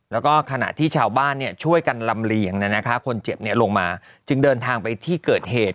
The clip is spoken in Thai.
แล้วก็ขณะที่ชาวบ้านช่วยกันลำเลียงคนเจ็บลงมาจึงเดินทางไปที่เกิดเหตุ